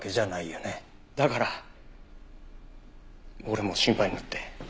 だから俺も心配になって。